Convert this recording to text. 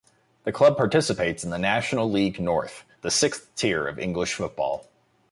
The club participates in the National League North, the sixth tier of English football.